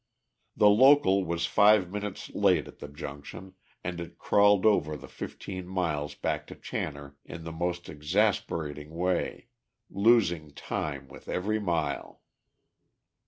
The local was five minutes late at the Junction, and it crawled over the fifteen miles back to Channor in the most exasperating way, losing time with every mile.